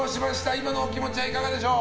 今のお気持ちはいかがでしょう？